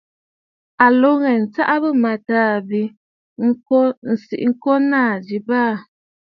À lǒ ŋghɛ̀ɛ̀ ǹtsaʼa bɨ̂mâtaà bi sii ŋko naà ji baà.